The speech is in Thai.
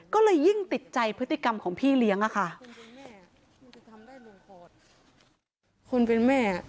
ก็เลยยิ่งติดใจพฤติกรรมของพี่เลี้ยงอะค่ะ